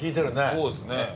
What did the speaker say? そうですね。